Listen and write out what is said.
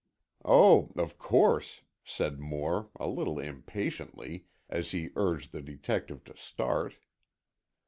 "Oh, of course," said Moore, a little impatiently, as he urged the detective to start.